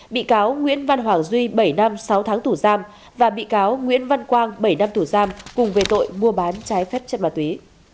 bị cáo nguyễn văn hoàng duy bảy năm sáu tháng tù giam và bị cáo nguyễn văn quang bảy năm tù giam cùng về tội mua bán trái phép chất ma túy